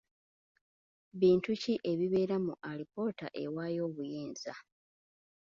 Bintu ki ebibeera mu alipoota ewaayo obuyinza?